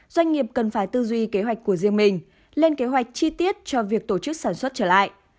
doanh nghiệp cần phải tư duy kế hoạch của riêng mình lên kế hoạch chi tiết cho việc tổ chức sản xuất trở lại